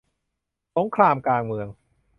สงครามกลางเมือง